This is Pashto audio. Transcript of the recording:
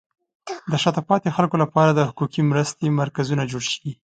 د شاته پاتې خلکو لپاره د حقوقي مرستې مرکزونه جوړ شي.